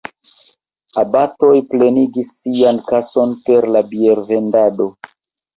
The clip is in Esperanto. Abatoj plenigis sian kason per la biervendado.